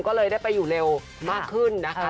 ก็เลยได้ไปอยู่เร็วมากขึ้นนะคะ